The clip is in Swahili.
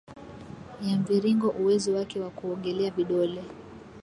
ya mviringo uwezo wake wa kuogelea vidole